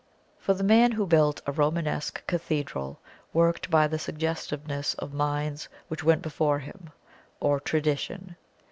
For the man who built a Romanesque Cathedral worked by the suggestiveness of minds which went before him, or Tradition.